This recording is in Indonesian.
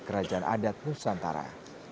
kerajaan adat nusantara